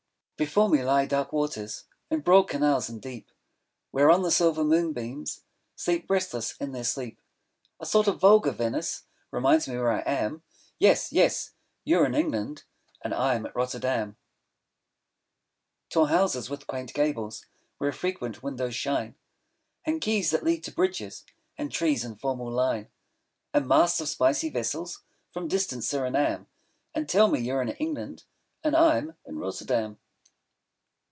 Before me lie dark waters, In broad canals and deep, 10 Whereon the silver moonbeams Sleep, restless in their sleep; A sort of vulgar Venice Reminds me where I am, Yes, yes, you are in England, 15 And I'm at Rotterdam. Tall houses with quaint gables, Where frequent windows shine, And quays that lead to bridges, And trees in formal line, 20 And masts of spicy vessels, From distant Surinam, All tell me you're in England, And I'm in Rotterdam.